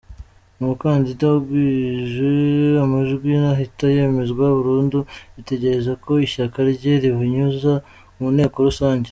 Umukandida ugwije amajwi ntahita yemezwa burundu, bitegereza ko ishyaka rye ribinyuza mu nteko rusange.